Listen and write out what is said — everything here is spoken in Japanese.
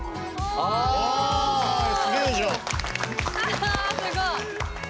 あすごい。